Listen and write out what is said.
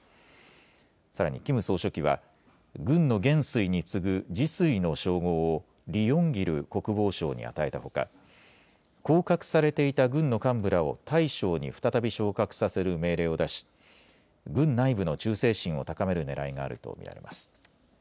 さらにキム総書記は、軍の元帥に次ぐ次帥の称号をリ・ヨンギル国防相に与えたほか、降格されていた軍の幹部らを大将に再び昇格させる命令を出し、軍内部の忠誠心を高めるねらいがあると見られます。